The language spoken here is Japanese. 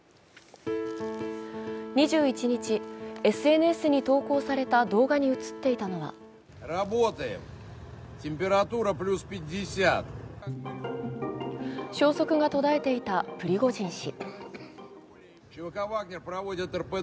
２１日、ＳＮＳに投稿された動画に映っていたのは消息が途絶えていたプリゴジン氏。